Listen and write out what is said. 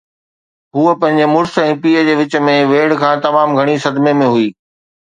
هوءَ پنهنجي مڙس ۽ پيءُ جي وچ ۾ ويڙهه کان تمام گهڻي صدمي ۾ هئي.